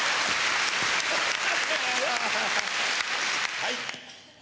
はい。